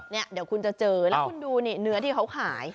เดี๋ยวคุณจะเจอแล้วคุณดูนี่เนื้อที่เขาขาย